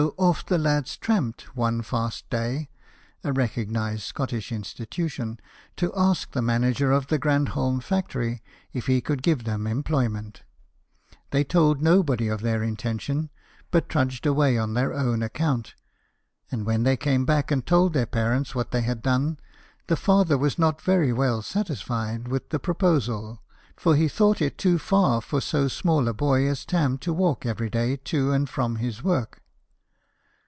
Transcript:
So off the lads tramped, one fast day (a recognized Scotch institution), to ask the manager of the Grandholm factory if he could give them employment. They told nobody of their intention, but trudged away on thei; own account ; and when they came back and told their parents what they had done, the father was not very well satisfied with the pro posal, because he thought it too far for so small a boy as Tarn to walk every day to and from his work.